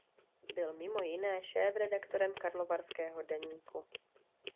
Byl mimo jiné šéfredaktorem Karlovarského deníku.